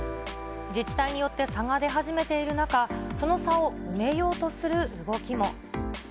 自治体によって、差が出始めている中、その差を埋めようとする動きも。